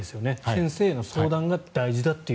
先生への相談が大事だと。